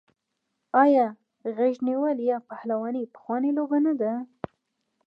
آیا غیږ نیول یا پهلواني پخوانۍ لوبه نه ده؟